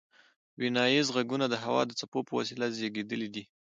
ویناییز غږونه د هوا د څپو په وسیله زیږیدلي دي